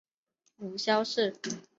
母萧氏。